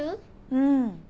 うん。